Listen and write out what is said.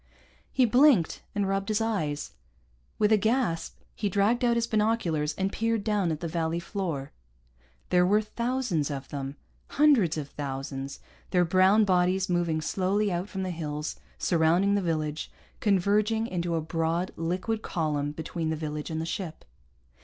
He blinked, and rubbed his eyes. With a gasp he dragged out his binoculars and peered down at the valley floor. There were thousands of them, hundreds of thousands, their brown bodies moving slowly out from the hills surrounding the village, converging into a broad, liquid column between the village and the ship.